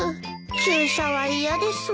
注射は嫌です。